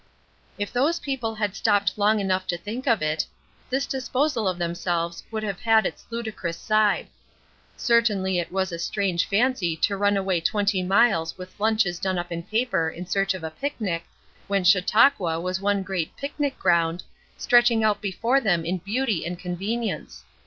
If those people had stopped long enough to think of it, this disposal of themselves would have had its ludicrous side. Certainly it was a strange fancy to run away twenty miles with lunches done up in paper in search of a picnic, when Chautauqua was one great picnic ground, stretching out before them in beauty and convenience.